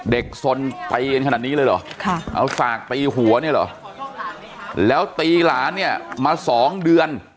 เด็กสนไปกันขนาดนี้เลยเหรอเอาสากตีหัวแล้วตีหลานเนี่ยมา๒เดือน